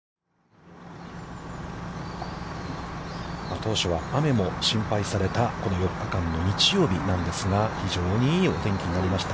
当初は雨も心配された、この４日間の日曜日なんですが、非常にいいお天気になりました。